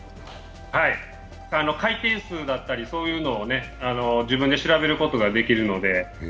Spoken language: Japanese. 回転数だったりそういうのを自分で調べることができるので。